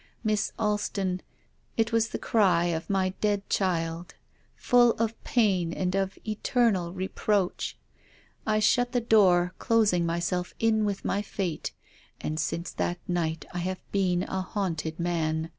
Miss Alston, it was the cry of my dead child, full of pain and of eternal reproach. I shut the door, closing my self in with my fate, and since that night I have been a haunted man.